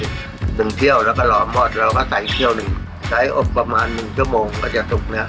หนึ่งเที่ยวแล้วก็รอมอดเราก็ใส่เที่ยวหนึ่งใช้อบประมาณหนึ่งชั่วโมงก็จะสุกนะ